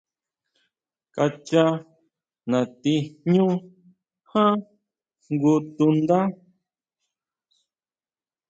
Kachá natí jñú ján jngu tundá.